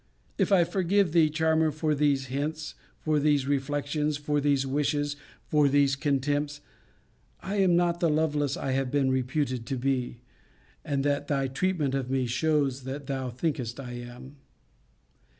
If I forgive thee, charmer, for these hints, for these reflections, for these wishes, for these contempts, I am not the Lovelace I have been reputed to be; and that thy treatment of me shews that thou thinkest I am.